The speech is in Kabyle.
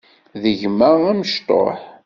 D gma amecṭuḥ.